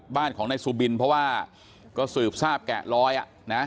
บ้านของนายซูบินเพราะว่าก็สืบทราบแกะลอยอ่ะนะ